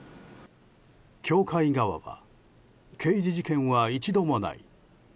教会側は刑事事件は一度もない。